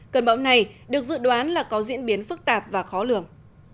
cơn bão này được dự đoán là có diễn biến phức tạp và khó lường